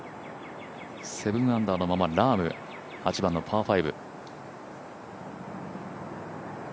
７アンダーのままラーム、８番のパー５。